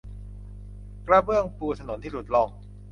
กระเบื้องปูถนนที่หลุดร่อน